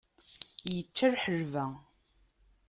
Ičča lḥelba.